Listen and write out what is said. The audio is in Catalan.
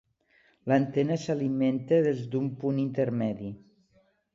L'antena s'alimenta des d'un punt intermedi.